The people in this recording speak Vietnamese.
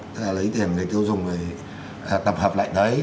tức là lấy tiền để tiêu dùng tập hợp lại đấy